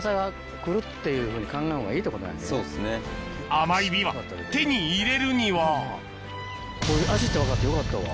甘いビワ手に入れるにはこういう味って分かってよかったわ。